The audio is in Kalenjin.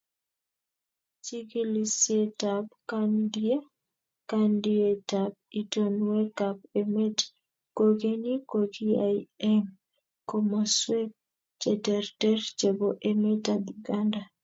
Chigilisyetab kandietab itonweekab emet kokeny kokiyai eng komosweek cheterter chebo emetab Uganda.